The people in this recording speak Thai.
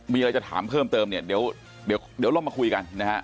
มีอะไรจะถามเพิ่มเติมเนี่ยเดี๋ยวเรามาคุยกันนะฮะ